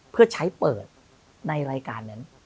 เพื่อใช้เปิดในรายการนั้น